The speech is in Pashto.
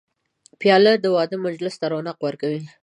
پیاله د واده مجلس ته رونق ورکوي.